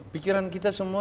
pikiran kita semua